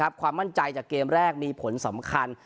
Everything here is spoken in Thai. ความมั่นใจจากเกมแรกมีผลสำคัญ